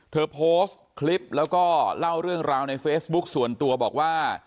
โพสต์คลิปแล้วก็เล่าเรื่องราวในเฟซบุ๊คส่วนตัวบอกว่า